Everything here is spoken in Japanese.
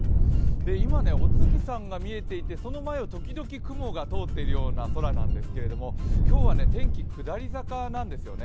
今、お月さんが見えていてその前を時々雲が通ってるような空なんですけど今日は天気下り坂なんですよね。